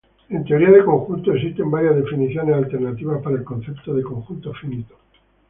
En teoría de conjuntos existen varias definiciones alternativas para el concepto de conjunto finito.